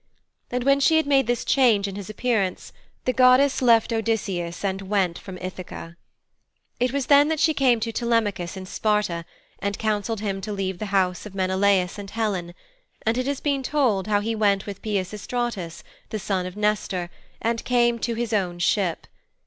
And when she had made this change in his appearance the goddess left Odysseus and went from Ithaka. It was then that she came to Telemachus in Sparta and counselled him to leave the house of Menelaus and Helen; and it has been told how he went with Peisistratus, the son of Nestor, and came to his own ship.